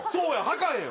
はかへんよ。